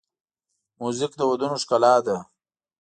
موزیک د ودونو ښکلا ده.